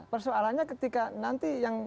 persoalannya ketika nanti yang